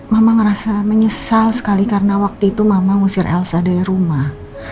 mama ngerasa menyesal sekali karena waktu itu mama ngusir elsa dari rumah